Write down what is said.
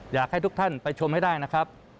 อยากให้ทุกท่านไปชมให้ได้นะครับ